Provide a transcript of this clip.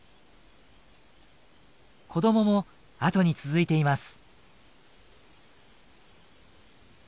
子どももあとに続いています。